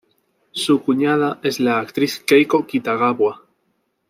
Su cuñada es la actriz Keiko Kitagawa.